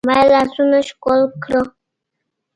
ما يې لاسونه ښکل کړل.